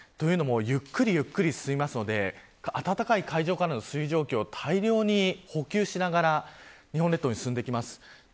というのもゆっくり進みますので暖かい海上からの水蒸気を大量に補給しながら日本列島に進んできます。